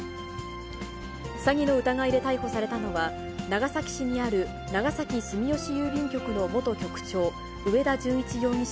詐欺の疑いで逮捕されたのは、長崎市にある長崎住吉郵便局の元局長、上田純一容疑者